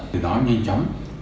để đó nhanh chóng